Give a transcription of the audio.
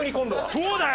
そうだよ！